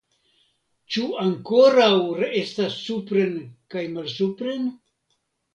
Ĉu ankoraŭ estas supren kaj malsupren?